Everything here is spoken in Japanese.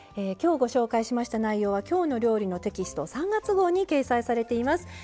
今日ご紹介しました内容は「きょうの料理」のテキスト３月号に掲載されています。